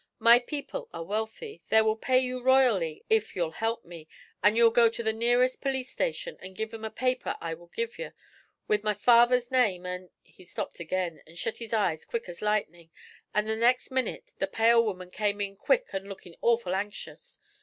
My people are wealthy. They will pay you royally if you'll help me; if you'll go to the nearest police station an' give 'em a paper I will give yer, with my father's name, an' " He stopped ag'in, an' shet his eyes quick as lightnin'; an' the next minit the pale woman came in quick, an' lookin' awful anxious.